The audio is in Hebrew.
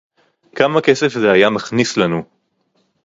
כמה כסף זה היה מכניס לנו